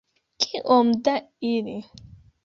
Kiom da ili?